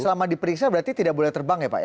selama diperiksa berarti tidak boleh terbang ya pak ya